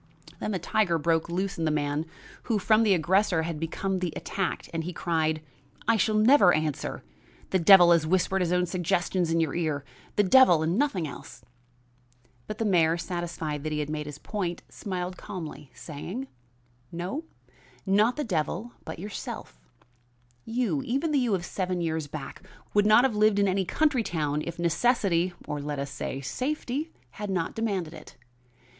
Then the tiger broke loose in the man who from the aggressor had become the attacked, and he cried: "I shall never answer; the devil has whispered his own suggestions in your ear; the devil and nothing else." But the mayor, satisfied that he made his point, smiled calmly, saying: "No, not the devil, but yourself. You, even the you of seven years back, would not have lived in any country town if necessity, or let us say, safety, had not demanded it.